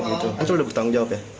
itu sudah bertanggung jawab ya